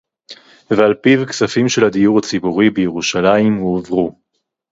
ועל-פיו כספים של הדיור הציבורי בירושלים הועברו